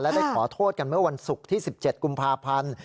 ได้ขอโทษกันเมื่อวันศุกร์ที่๑๗กุมภาพันธ์